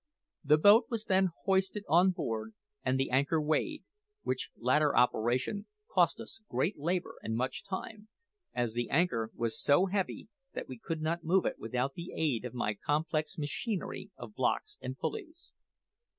The boat was then hoisted on board and the anchor weighed, which latter operation cost us great labour and much time, as the anchor was so heavy that we could not move it without the aid of my complex machinery of blocks and pulleys.